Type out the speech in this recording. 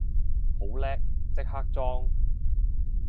好叻，即刻裝